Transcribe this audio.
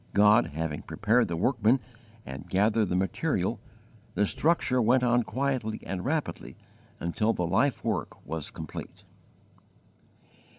God having prepared the workman and gathered the material, the structure went on quietly and rapidly until the life work was complete.